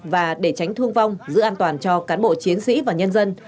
và để tránh thương vong giữ an toàn cho cán bộ chiến sĩ và nhân dân